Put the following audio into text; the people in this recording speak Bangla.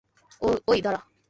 ওই, দাঁড়া!